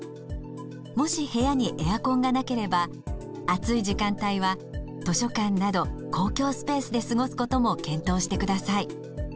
もし部屋にエアコンがなければ暑い時間帯は図書館など公共スペースで過ごすことも検討してください。